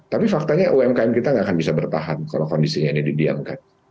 tapi faktanya umkm kita nggak akan bisa bertahan kalau kondisinya ini didiamkan